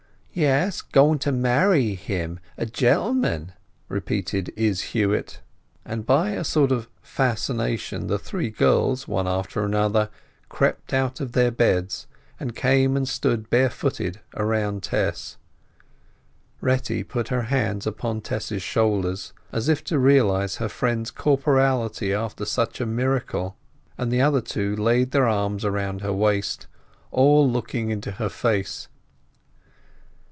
"Yes—going to marry him—a gentleman!" repeated Izz Huett. And by a sort of fascination the three girls, one after another, crept out of their beds, and came and stood barefooted round Tess. Retty put her hands upon Tess's shoulders, as if to realize her friend's corporeality after such a miracle, and the other two laid their arms round her waist, all looking into her face.